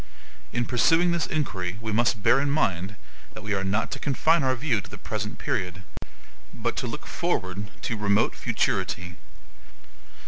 In pursuing this inquiry, we must bear in mind that we are not to confine our view to the present period, but to look forward to remote futurity.